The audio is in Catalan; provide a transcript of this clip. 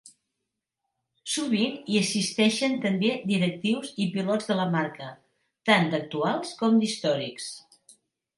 Sovint hi assisteixen també directius i pilots de la marca, tant d'actuals com d'històrics.